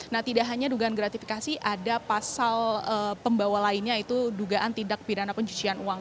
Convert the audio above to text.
nah tidak hanya dugaan gratifikasi ada pasal pembawa lainnya yaitu dugaan tindak pidana pencucian uang